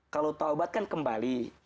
kalau taubat kan kembali